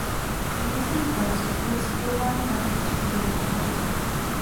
Umístění teleskopu je situováno na dno Středozemního moře.